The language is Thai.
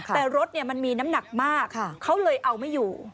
แต่รถมันมีน้ำหนักมากเขาเลยเอาไม่อยู่